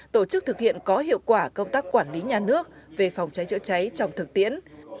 tổ chức thực hiện có hiệu quả công tác quản lý nhà nước về phòng cháy chữa cháy trong thực tiễn